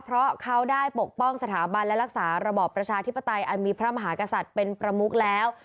เพราะเขาได้ปกป้องสถาบันและรักษาระบอบประชาธิปไตยอันมีพระมหากษัตริย์เป็นประมุขแล้ว